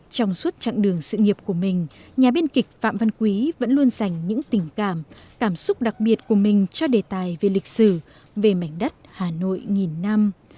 trong suốt chặng đường sự nghiệp của mình nhà biên kịch phạm văn quý vẫn luôn dành những tình cảm cảm xúc đặc biệt của mình cho đề tài về lịch sử về mảnh đất hà nội nghìn năm